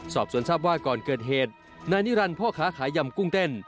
สอบส่วนทราบว่าก่อนเกิดเหตุนายนิรันดิพ่อค้าขายยำกุ้งเต้น